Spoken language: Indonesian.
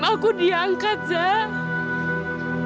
aku udah gak suci lagi